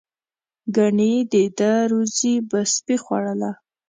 ګنې د ده روزي به سپي خوړله.